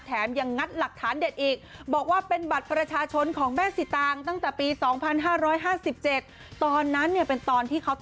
แถมยังงัดหลักฐานเด็ดอีกบอกว่าเป็นบัตรประชาชนของแม่สิตางตั้งแต่ปี๒๕๕๗